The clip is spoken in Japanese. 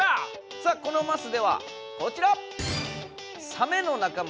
さあこのマスではこちら！